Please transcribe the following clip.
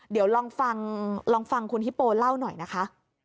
เดี๋ยวลองฟังคุณฮิโปร์เล่าหน่อยนะคะ